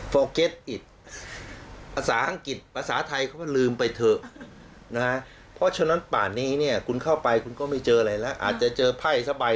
พักกันครู่เดียวครับทุกผู้ชมครับเดี๋ยวช่วงหน้ากลับมาครับ